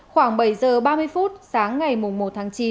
khoảng bảy giờ ba mươi phút sáng ngày một tháng chín